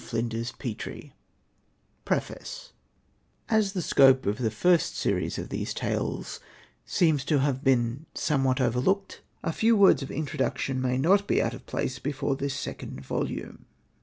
Hosted by CjOO^lL PREFACE AS the scope of the first series of these Tales seems to have been somewhat overlooked, a few words of intro duction may not be out of place before this second volume.